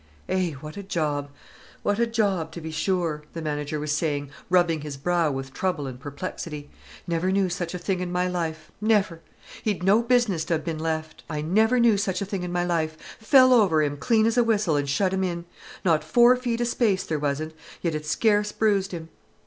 "Eh, what a job, what a job, to be sure!" the manager was saying, rubbing his brow with trouble and perplexity. "Never knew such a thing in my life, never! He'd no business to ha' been left. I never knew such a thing in my life! Fell over him clean as a whistle, an' shut him in. Not four foot of space, there wasn't—yet it scarce bruised him."